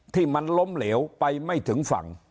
ที่มันล้มเหลวไปไม่ถึงฝั่ง